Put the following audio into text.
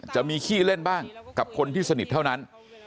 จะมีขี้เล่นบ้างกับคนที่สนิทเท่านั้น